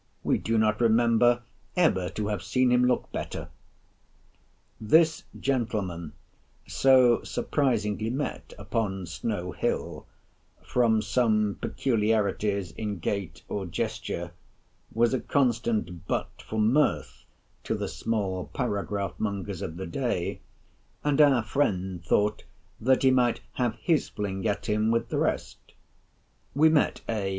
We do not remember ever to have seen him look better." This gentleman, so surprisingly met upon Snow Hill, from some peculiarities in gait or gesture, was a constant butt for mirth to the small paragraph mongers of the day; and our friend thought that he might have his fling at him with the rest. We met A.